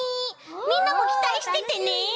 みんなもきたいしててね。